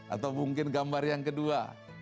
atau mungkin gambar yang kedua